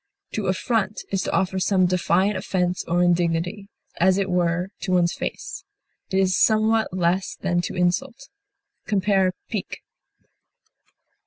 To affront is to offer some defiant offense or indignity, as it were, to one's face; it is somewhat less than to insult. Compare PIQUE.